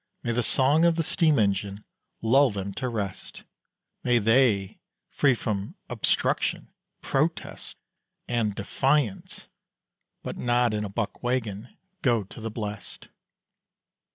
May the song of the steam engine lull them to rest; May they, free from "obstruction," "protest," and "defiance" (But not in a buck waggon) go to the blest.